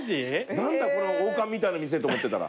何だこの王冠みたいな店って思ってたら。